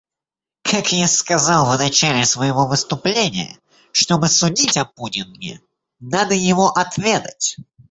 Как я сказал в начале своего выступления, чтобы судить о пудинге, надо его отведать.